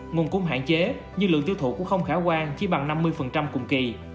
nguồn cung hạn chế nhưng lượng tiêu thụ cũng không khả quan chỉ bằng năm mươi cùng kỳ